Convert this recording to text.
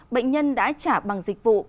bệnh nhân đã trả bằng dịch vụ